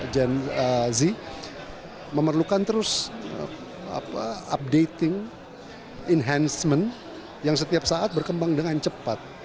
gen z memerlukan terus updating enhancement yang setiap saat berkembang dengan cepat